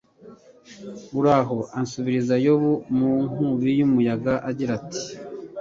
uhoraho asubiriza yobu mu nkubi y'umuyaga, agira ati